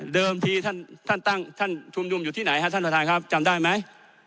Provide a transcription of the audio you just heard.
เดิมที่ท่านชุมนุมอยู่ที่ไหนท่านประธานครับจำได้ไหม